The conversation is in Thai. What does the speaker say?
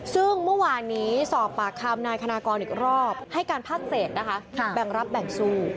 ซึ่งเมื่อวานนี้สอบปากคำนายคณากรอีกรอบให้การพักเศษนะคะแบ่งรับแบ่งสู้